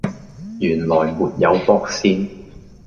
原來沒有駁線